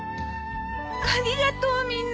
ありがとうみんな！